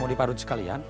mau diparut sekalian